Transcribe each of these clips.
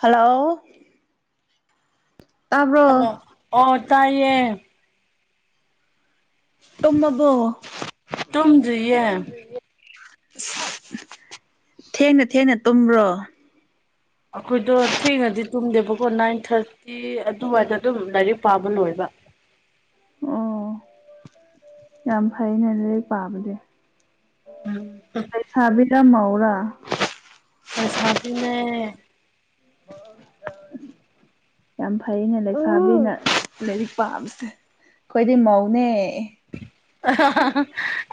ꯍꯜꯂꯧ hello ꯑꯣ ꯇꯥꯏꯌꯦ ꯇꯨꯝꯃꯕꯣ ꯇꯨꯝꯗ꯭ꯔꯤꯌꯦ ꯇꯨꯝꯗꯔ꯭ꯤꯌꯦ ꯊꯦꯡꯅ ꯊꯦꯡꯅ ꯇꯨꯝꯕ꯭ꯔꯣ ꯑꯩꯈꯣꯏꯗꯣ ꯊꯦꯡꯅꯗꯤ ꯇꯨꯝꯗꯦꯕꯀꯣ ꯅꯥꯏꯟ ꯊ꯭ꯔꯇꯤ ꯑꯗꯨꯋꯥꯏꯗ ꯑꯗꯨꯝ ꯂꯥꯏꯔꯤꯛ ꯄꯥꯕ ꯂꯣꯏꯕ ꯑꯣ ꯌꯥꯝ ꯐꯩꯅꯦ ꯑꯗꯨꯗꯩ ꯄꯥꯕꯗꯤ ꯎꯝ ꯂꯩꯩꯁꯥꯕꯤꯔꯥ ꯃꯧꯔꯥ ꯂꯤꯁꯥꯕꯤꯅꯦ ꯌꯥꯝ ꯐꯩꯅꯦ ꯂꯩꯥꯏꯁꯥꯕꯤꯅ ꯂꯥꯏꯔꯤꯛ ꯄꯥꯕꯁꯦ ꯑꯩꯈꯣꯏꯗꯤ ꯃꯧꯅꯦ ꯑꯥꯍꯥ ꯍꯥ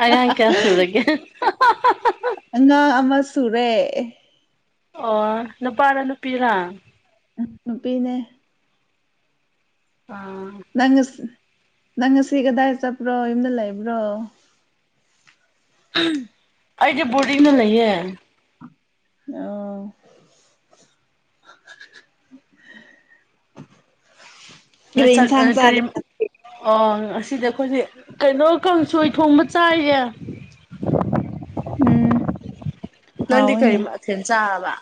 ꯑꯉꯥꯡ ꯀꯌꯥ ꯁꯨꯔꯒꯦ ꯑꯍꯥ ꯍꯥ ꯇꯨꯔꯦ ꯑꯣ ꯅꯨꯄꯥꯔꯥ ꯅꯨꯄꯤꯔꯥ ꯅꯨꯄꯤꯅꯦ ꯑꯥ ꯅꯪ ꯉꯁꯤ ꯅꯪ ꯉꯁꯤ ꯀꯗꯥꯏ ꯆꯠꯄ꯭ꯔꯣ ꯌꯨꯝꯗ ꯂꯩꯕ꯭ꯔꯣ ꯑꯩꯗꯤ ꯕꯣꯔꯗꯤꯡꯗ ꯂꯩꯌꯦ ꯑ [unintelligible] ꯉꯥꯆꯠ ꯀꯔꯤ ꯑꯦ ꯉꯥꯁꯤꯗꯤ ꯑꯩꯈꯣꯏꯗꯤ ꯀꯩꯅꯣ ꯀꯥꯡꯁꯣꯏ ꯊꯣꯡꯕ ꯆꯥꯏꯌꯦ ꯎꯝ ꯅꯪꯗꯤ ꯀꯔꯤ ꯍꯥꯎꯋꯤꯅꯦ ꯃꯥꯊꯦꯟ ꯆꯥꯔꯕ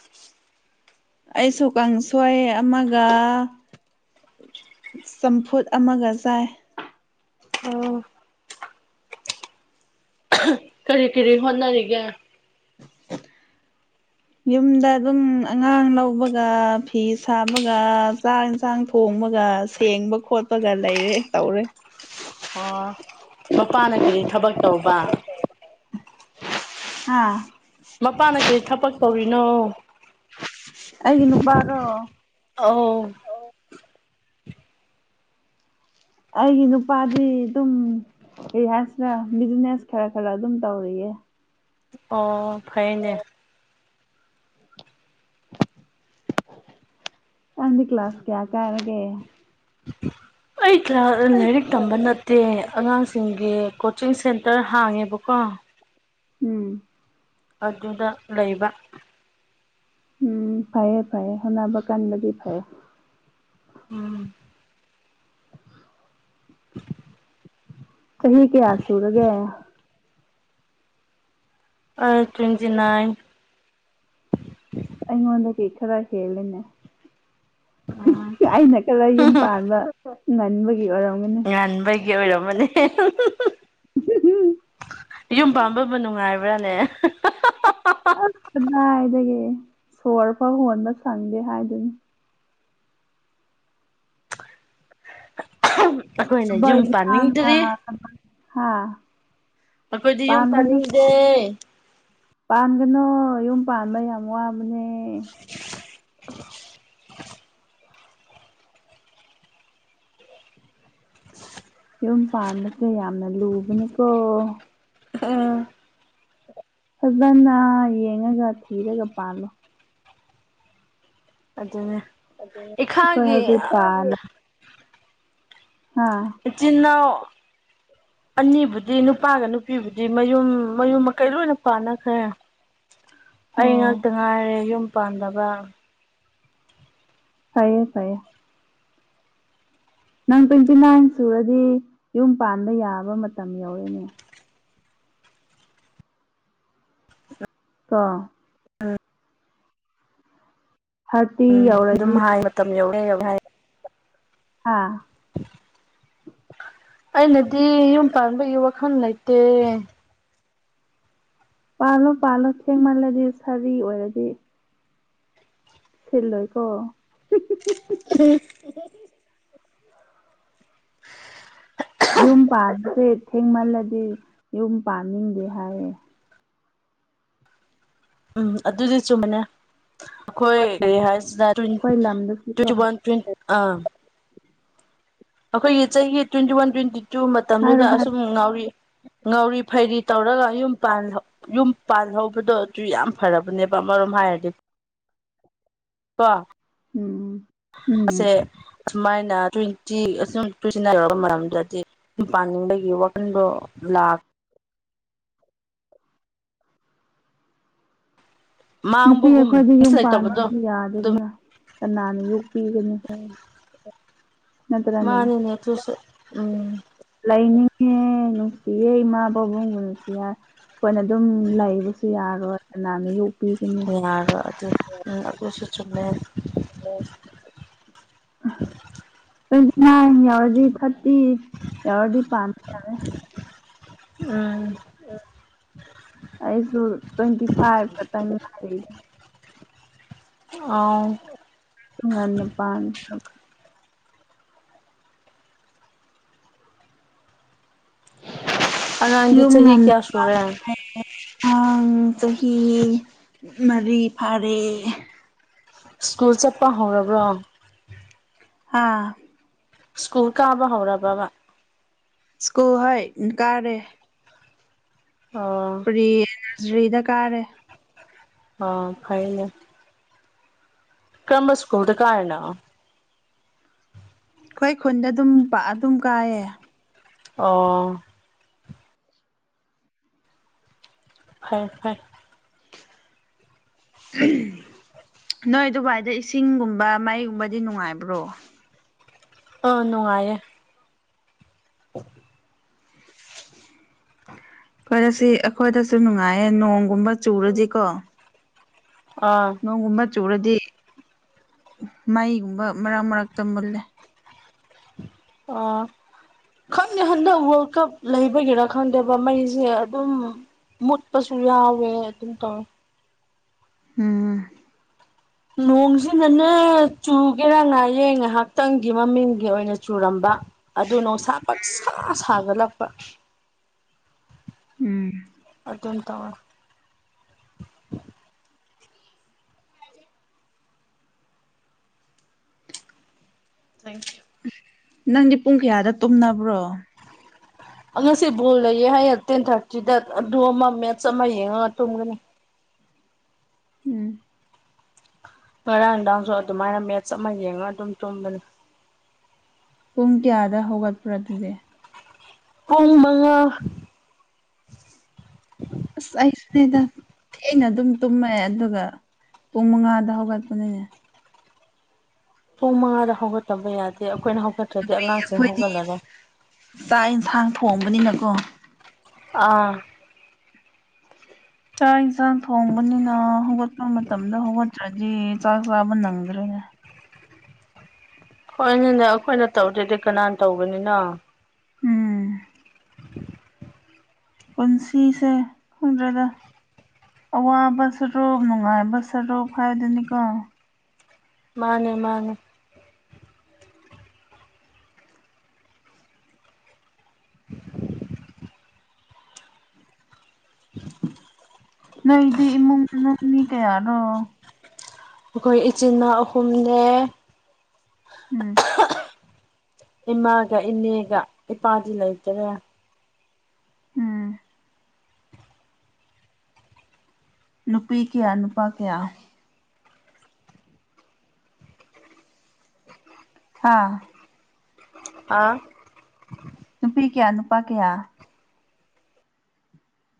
ꯑꯩꯁꯨ ꯀꯥꯡꯁꯣꯏ ꯑꯃꯥꯒꯥ ꯆꯝꯐꯨꯠ ꯑꯃꯥꯒ ꯆꯥꯏ ꯑꯣ ꯀꯔꯤ ꯀꯔꯤ ꯍꯣꯠꯅꯔꯤꯒꯦ ꯌꯨꯝꯗ ꯑꯗꯨꯝ ꯑꯉꯥꯡ ꯂꯧꯕꯒ ꯐꯤ ꯁꯥꯕꯒ ꯆꯥꯛ ꯌꯦꯟꯁꯥꯡ ꯊꯣꯡ ꯑꯃꯥꯒ ꯁꯦꯡꯕ ꯈꯣꯠꯄꯒ ꯂꯩꯔꯦ ꯇꯧꯔꯦ ꯑꯣ ꯃꯄꯥꯅ ꯀꯔꯤ ꯊꯕꯛ ꯇꯧꯕ ꯑꯥ ꯃꯄꯥꯅ ꯀꯔꯤ ꯊꯕꯛ ꯇꯧꯔꯤꯅꯣ ꯑꯩꯒꯤ ꯅꯨꯄꯥꯔꯣ ꯑꯧ ꯑꯩꯒꯤ ꯅꯨꯄꯥꯗꯤ ꯑꯗꯨꯝ ꯔꯤꯍꯦꯟꯅ ꯕꯤꯖꯤꯅꯦꯁ ꯈ꯭ꯔ ꯈ꯭ꯔ ꯑꯗꯨꯝ ꯇꯧꯔꯤꯌꯦ ꯑꯣ ꯐꯩꯅꯦ ꯅꯪꯗꯤ ꯀ꯭ꯂꯥꯁ ꯀꯌꯥ ꯀꯥꯔꯒꯦ ꯑꯩ ꯀ꯭ꯂꯥ ꯂꯥꯏꯔꯤꯛ ꯇꯝꯕ ꯅꯠꯇꯦ ꯑꯉꯥꯡꯁꯤꯡꯒꯤ ꯀꯣꯆꯤꯡ ꯁꯦꯟꯇ꯭ꯔ ꯍꯥꯡꯉꯦꯕꯀꯣ ꯎꯝ ꯑꯗꯨꯗ ꯂꯩꯕ ꯎꯝ ꯐꯩꯌꯦ ꯐꯩꯌꯦ ꯍꯣꯠꯅꯕ ꯀꯟꯕꯗꯤ ꯐꯩꯌꯦ ꯎꯝ [unintelligible] ꯆꯍꯤ ꯀꯌꯥ ꯁꯨꯔꯥꯒꯦ ꯑꯩ ꯇꯣꯏ꯭ꯟꯇꯤ ꯅꯥꯏꯟ ꯑꯩꯉꯣꯟꯗꯒꯤ ꯈ꯭ꯔ ꯍꯦꯜꯂꯦꯅꯦ ꯑꯩꯅ ꯈ꯭ꯔ ꯌꯨꯝ ꯄꯥꯟꯕ ꯉꯟꯕꯒꯤ ꯑꯣꯏꯔꯝ ꯉꯟꯕꯒꯤ ꯑꯣꯏꯔꯝꯃꯅꯤ ꯀꯍꯤ ꯍꯤ ꯌꯨꯝ ꯄꯥꯟꯕꯕꯨ ꯅꯨꯡꯉꯥꯏꯕ꯭ꯔꯥꯅꯦ ꯑꯁ ꯀꯗꯥꯏꯗꯒꯤ ꯁꯣꯔ ꯐꯥꯎ ꯍꯣꯟꯕ ꯁꯪꯗꯦ ꯍꯥꯏꯗꯨꯅꯤ ꯑꯩꯈꯣꯏꯅ ꯕꯥꯏ ꯌꯨꯝ ꯏꯁꯥꯡꯍꯥ ꯄꯥꯅꯤꯡꯗ꯭ꯔꯤ ꯍꯥ ꯑꯩꯈꯣꯏꯗꯤ ꯌꯨꯝ ꯄꯥꯟꯅꯤꯡꯗꯦ ꯄꯥꯟꯒꯅꯣ ꯌꯨꯝ ꯄꯥꯟꯕ ꯌꯥꯝ ꯋꯥꯕꯅꯦ ꯌꯨꯝ ꯄꯥꯟꯕꯁꯦ ꯌꯥꯝꯅ ꯂꯨꯕꯅꯤꯀꯣ ꯎꯝ ꯐꯖꯅ ꯌꯦꯡꯉꯒ ꯊꯤꯔꯒ ꯄꯥꯜꯂꯣ ꯑꯗꯨꯗ ꯀꯣꯏ ꯄꯥꯂ ꯆꯟꯅ [unintelligible] ꯑꯅꯤꯕꯨꯗꯤ ꯅꯨꯄꯥꯒ ꯅꯨꯄꯤꯕꯨꯗꯤ ꯃꯌꯨꯝ ꯃꯌꯨꯝ ꯃꯀꯩ ꯂꯣꯏꯅ ꯄꯥꯟꯅꯈ꯭ꯔꯦ ꯑꯣ ꯑꯩ ꯉꯥꯛꯇ ꯉꯥꯏꯔꯦ ꯌꯨꯝ ꯄꯥꯟꯗꯕ ꯐꯥꯏꯌꯦ ꯐꯥꯏꯌꯦ ꯅꯪ ꯇ꯭ꯋꯦꯟꯇꯤ ꯅꯥꯏꯟ ꯁꯨꯔꯗꯤ ꯌꯨꯝ ꯄꯥꯟꯕ ꯌꯥꯕ ꯃꯇꯝ ꯌꯧꯔꯦꯅꯦ ꯑ ꯑꯥ ꯊꯥꯔꯇꯤ ꯎꯝ ꯑꯗꯨꯝ ꯌꯧꯔꯗꯤ ꯍꯥꯏ ꯃꯇꯝ ꯌꯧꯔꯦ ꯌꯧ ꯍꯥꯏꯥꯏ ꯍꯥꯥ ꯑꯩꯅꯗꯤ ꯌꯨꯝ ꯄꯥꯟꯕꯒꯤ ꯋꯥꯈꯜ ꯂꯩꯇꯦ ꯄꯥꯜꯂꯣ ꯄꯥꯜꯂꯣ ꯊꯦꯡꯃꯜꯂꯗꯤ ꯁꯥꯔꯤ ꯑꯣꯏꯔꯗꯤ ꯁꯤꯜꯂꯣꯏꯀꯣ ꯑ ꯌꯨꯝ ꯄꯥꯕꯁꯦ ꯊꯦꯡꯃꯜꯂꯗꯤ ꯌꯨꯝ ꯄꯥꯟꯅꯤꯡꯗꯦ ꯍꯥꯏꯌꯦ ꯎꯝ ꯑꯗꯨꯗꯤ ꯆꯨꯝꯃꯅꯦ ꯑꯩꯈꯣꯏꯁꯤ ꯑꯩꯈꯣꯏ ꯂꯝꯗꯁꯨꯀꯣ ꯇ꯭ꯋꯦꯟꯇꯤ ꯋꯥꯟ ꯇ꯭ꯋ ꯑ ꯑꯩꯈꯣꯏꯒꯤ ꯆꯍꯤꯒꯤ ꯇ꯭ꯋꯦꯟꯇꯤ ꯋꯥꯟ ꯇ꯭ꯋꯦꯟꯇꯤ ꯇꯨ ꯍꯥꯏꯔꯣ ꯃꯇꯝꯗꯨꯗ ꯑꯁꯨꯝ ꯍꯥꯏꯔꯣ ꯉꯥꯎꯔꯤ ꯉꯧꯔꯤ ꯐꯩꯔꯤ ꯇꯧꯔꯒ ꯌꯨꯝ ꯌꯨꯝ ꯄꯥꯟꯍꯧꯕꯗꯣ ꯑꯗꯨ ꯌꯥꯝ ꯐꯔꯕꯅꯦꯕ ꯃꯔꯣꯝ ꯍꯥꯏꯔꯗꯤ ꯀ ꯎꯝ ꯎꯝ ꯑꯁꯨꯃꯥꯏꯅ ꯇ꯭ꯋꯦꯟꯇꯤ ꯑꯁ ꯇ꯭ꯋꯦꯟꯇꯤ ꯅꯥꯏꯟ ꯌꯔꯛꯄ ꯃꯔꯝꯗꯗꯤ ꯁꯨꯝ ꯄꯥꯅꯤꯡꯕꯒꯤ ꯋꯥꯈꯟꯗꯣ ꯂꯥꯛꯈ ꯅꯨꯄꯤ ꯃꯥꯡꯕꯒꯨꯝ ꯑꯩꯈꯣꯏꯗ ꯌꯨꯝ ꯂꯩꯇꯕꯗꯣ ꯄꯥꯟꯕꯁꯨ ꯑꯗꯨꯝ ꯌꯥꯗꯦꯗꯅ ꯀꯅꯥꯅ ꯌꯣꯛꯄꯤꯒꯅꯤ ꯅꯠꯇ꯭ꯔꯅꯦ ꯃꯥꯅꯤꯅꯦ ꯑꯗꯨꯁꯨ ꯎꯝ ꯂꯥꯏꯅꯤꯡꯦ ꯁꯤꯌꯦ ꯏꯃꯥ ꯄꯥꯕꯨꯡꯒꯅꯁꯨ ꯌꯥꯏ ꯑꯩꯈꯣꯏꯅ ꯑꯗꯨꯝ ꯂꯩꯕꯁꯨ ꯌꯥꯔꯣꯏ ꯀꯅꯥꯅ ꯌꯣꯛ ꯌꯥꯔ ꯑꯗꯨ ꯑꯈꯁꯨ ꯆꯦ [unintelligible] ꯇ꯭ꯋꯦꯟꯇꯤ ꯅꯥꯏꯟ ꯌꯥꯎꯔꯗꯤ ꯊꯥꯔꯇꯤ ꯌꯥꯎꯔꯗꯤ ꯄꯥꯟ ꯌꯥꯔꯦ ꯎꯝ ꯑꯩꯁꯨ ꯇ꯭ꯋꯦꯟꯇꯤ ꯐꯥꯏꯚ ꯑ ꯑꯩꯁꯨ ꯉꯟꯅ ꯄꯥꯟꯈ꯭ꯔꯕ ꯑꯉꯥꯡꯗꯤ ꯌꯨꯝ ꯆꯍꯤ ꯀꯌꯥ ꯉ ꯁꯨꯔꯦ ꯑꯥꯡ ꯆꯍꯤ ꯃꯔꯤ ꯐꯥꯔꯦ ꯁ꯭ꯀꯨꯜ ꯆꯠꯄ ꯍꯧꯔꯕ꯭ꯔꯣ ꯑꯥ ꯁ꯭ꯀꯨꯜ ꯀꯥꯕ ꯍꯧꯔꯕꯕꯥ ꯁ꯭ꯀꯨ ꯍ ꯀꯥꯔꯦ ꯑꯣ ꯄꯔꯤ ꯅꯁꯔꯤꯗ ꯀꯔꯦ ꯑ ꯐꯥꯏꯅꯦ ꯀ꯭ꯔꯔꯝꯕ ꯁ꯭ꯀꯨꯜꯗ ꯀꯥꯥꯏꯅ ꯍꯣꯏ ꯈꯨꯟꯗ ꯑꯗꯨꯝ ꯄꯥꯛ ꯑꯗꯨꯝ ꯀꯥꯏꯌꯦ ꯑꯣ ꯐꯣꯏ ꯐꯣꯏꯔ ꯎꯝ ꯅꯣꯏ ꯑꯗꯨꯕꯥꯏꯗ ꯏꯁꯤꯡꯒꯨꯝꯕ ꯃꯩꯒꯨꯝꯕꯗꯤ ꯅꯨꯡꯉꯥꯏꯕ꯭ꯔꯣ ꯑ ꯅꯨꯡꯉꯥꯏꯌꯦ [unintelligible] ꯈꯣꯏꯔ ꯁꯤ ꯑꯩꯈꯣꯏꯗꯁꯨ ꯅꯨꯡꯉꯥꯏꯌꯦ ꯅꯣꯡꯒꯨꯝꯕ ꯆꯨꯔꯗꯤꯀꯣ ꯑꯥ ꯅꯣꯡꯒꯨꯝꯕ ꯆꯨꯔꯗꯤ ꯃꯩꯒꯨꯝꯕ ꯃꯔꯛ ꯃꯔꯛꯇ ꯃꯨꯜꯂꯦ ꯑꯣ ꯈꯪꯗꯦ ꯍꯟꯗꯛ ꯋꯥꯔꯜ ꯀꯞ ꯂꯩꯕꯒꯤꯔꯥ ꯈꯪꯗꯦꯕ ꯃꯩꯁꯦ ꯑꯗꯨꯝ ꯃꯠ ꯄꯁꯨ ꯌꯥꯎꯋꯦ ꯑꯗꯨꯝ ꯇꯧꯋꯦ ꯎꯝ ꯅꯣꯡꯁꯤꯅꯅꯦ ꯆꯨꯒꯦꯔꯥ ꯉꯥꯌꯦꯡ ꯉꯥꯏꯍꯥꯛꯇꯪꯒꯤ ꯃꯃꯤꯡꯒꯤ ꯑꯣꯏꯅ ꯆꯨꯔꯝꯕ ꯑꯗꯨ ꯅꯨꯡꯁꯥ ꯄꯁꯀꯥ ꯁꯥꯒꯠꯂꯛꯄ ꯎꯝ ꯑꯗꯨꯦꯟ ꯇ ꯑꯃ ꯊꯦꯡꯀ ꯌꯨ ꯅꯪꯗꯤ ꯄꯨꯡ ꯀꯌꯥꯗ ꯇꯨꯝꯅꯕ꯭ꯔꯣ ꯉꯁꯤ ꯕꯣꯜ ꯂꯩꯌꯦꯦ ꯍꯥꯏꯌꯦ ꯇꯦꯟ ꯊꯥꯔꯇꯤꯗ ꯑꯗꯨ ꯑꯃ ꯃꯦꯠꯁ ꯑꯃ ꯌꯦꯡꯉꯒ ꯊꯨꯝꯒꯅꯤ ꯎꯝ ꯉꯔꯥꯡ ꯅꯨꯡꯗꯥꯡꯁꯨ ꯑꯗꯨꯃꯥꯏꯅ ꯃꯦꯠꯆ ꯑꯃ ꯌꯦꯡꯉ ꯑꯗꯨꯝ ꯇꯨꯝꯕꯅꯤ ꯄꯨꯡ ꯀꯌꯥꯗ ꯍꯧꯒꯠꯄ꯭ꯔ ꯑꯗꯨꯗꯤ ꯍꯨꯡ ꯃꯉꯥ ꯑꯁ ꯑꯩꯁꯤꯅꯦꯗ ꯊꯅ ꯑꯗꯨꯝ ꯇꯨꯝꯃꯦ ꯑꯗꯨꯒ ꯄꯨꯡ ꯃꯉꯥꯗ ꯍꯧꯒꯠꯄꯅꯤꯅꯦ ꯄꯨꯡ ꯃꯉꯥꯗ ꯍꯧꯒꯠꯇꯕ ꯌꯥꯗꯦ ꯑꯩꯈꯣꯏꯅ ꯍꯧꯒꯠꯇ꯭ꯔꯗꯤ ꯑꯉꯥꯡꯁꯤꯡ ꯑꯩꯈꯣꯏꯗꯤ ꯍꯧꯒꯠꯂꯔꯣꯏ ꯄꯣꯝꯕꯅꯤꯅꯀꯣ ꯑꯥ ꯆꯥꯛ ꯌꯦꯟꯁꯥꯡ ꯊꯣꯡꯕꯅꯤꯅ ꯍꯧꯒꯠꯄ ꯃꯇꯝꯗ ꯍꯧꯒꯠꯇ꯭ꯔꯗꯤ ꯆꯥꯛ ꯆꯥꯕ ꯅꯪꯗ꯭ꯔꯦ [unintelligible] ꯍꯣꯏꯅꯤꯅꯦ ꯑꯩꯈꯣꯏꯅ ꯇꯧꯗꯦꯗꯤ ꯀꯅꯥꯅ ꯇꯧꯕꯅꯤꯅꯣ ꯎꯝ ꯄꯨꯟꯁꯤꯁꯦ ꯍ꯭ꯔꯗ ꯑꯋꯥꯕ ꯁꯔꯣꯞ ꯅꯨꯡꯉꯥꯏꯕ ꯁꯔꯣꯞ ꯍꯥꯏꯗꯨꯅꯤꯀꯣ ꯃꯥꯅꯦ ꯃꯥꯅꯦ [unintelligible] ꯅꯣꯏꯗꯤ ꯏꯃꯨꯡ ꯃꯅꯨꯡ ꯃꯤ ꯀꯌꯥꯅꯣ ꯑꯩꯈꯣꯏ ꯏꯆꯤꯟꯜꯅꯥꯎ ꯑꯍꯨꯝꯅꯦ ꯎꯝ ꯏꯃꯥꯒ ꯏꯅꯦꯒ ꯏꯄꯥꯗꯤ ꯂꯩꯇꯔꯦ ꯎꯝ ꯅꯨꯄꯤ ꯀꯌꯥ ꯅꯨꯄꯥ ꯀꯌꯥ ꯍꯥꯥ ꯑꯥ ꯅꯨꯄꯤ ꯀꯌꯥ ꯅꯨꯄꯥ ꯀꯌꯥ